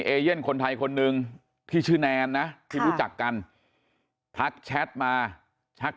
เอเย่นคนไทยคนหนึ่งที่ชื่อแนนนะที่รู้จักกันทักแชทมาชัก